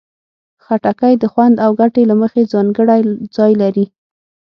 خټکی د خوند او ګټې له مخې ځانګړی ځای لري.